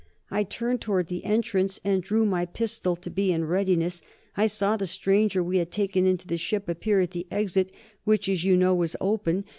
I turned towards the entrance and drew my pistol, to be in readiness. I saw the stranger we had taken into the ship appear at the exit, which, as you know, was open.